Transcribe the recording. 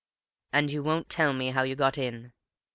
"And you won't tell me how you got in?"